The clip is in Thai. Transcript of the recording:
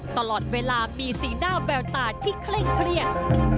ตลอดเวลามีสีหน้าแววตาที่เคร่งเครียด